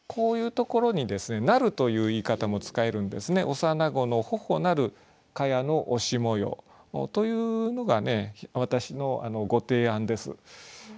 「幼子の頬なる蚊帳の押し模様」というのが私のご提案です。